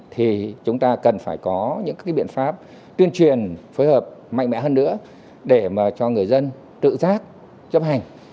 thì chúng ta cần phải có những biện pháp tuyên truyền phối hợp mạnh mẽ hơn nữa để mà cho người dân tự giác chấp hành